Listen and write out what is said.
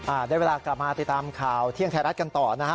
ได้เวลากลับมาติดตามข่าวเที่ยงไทยรัฐกันต่อนะฮะ